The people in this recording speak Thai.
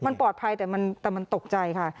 มันปลอดภัยแต่มันตกใจค่ะ